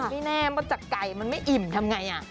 ไม่แน่มาจากไก่มันไม่อิ่มทำไง